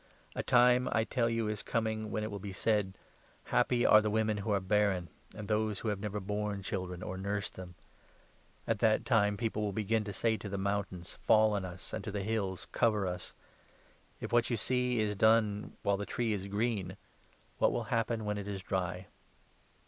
A time, I tell you, is coming, when it will be said —' Happy are the women who are barren, and those who have never borne children or nursed them !' At that time people will begin to say to the mountains ' Fall on us,' and to the hills 'Cover us.' If what you see is done while the tree is green, what will happen when it is dry?